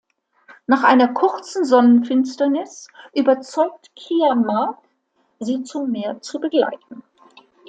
Nach einer kurzen Sonnenfinsternis überzeugt Kia Marc, sie zum Meer zu begleiten.